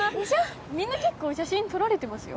みんな結構写真撮られてますよ。